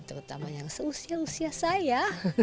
terutama yang seusia usia saya